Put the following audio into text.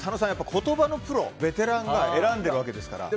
言葉のプロ、ベテランが選んでいるわけですよね。